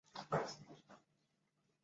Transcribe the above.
生于康斯坦茨。